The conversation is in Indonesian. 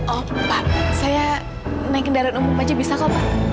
oh pak saya naik kendaraan umum aja bisa kok pak